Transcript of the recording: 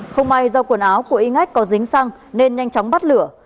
không may do quần áo của in ngách có dính xăng nên nhanh chóng bắt lửa